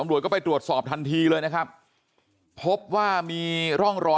แล้วก็ยัดลงถังสีฟ้าขนาด๒๐๐ลิตร